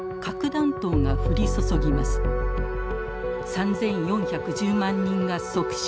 ３，４１０万人が即死。